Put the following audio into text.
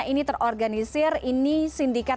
ini terorganisir ini sindikat